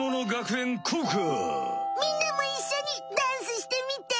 みんなもいっしょにダンスしてみて！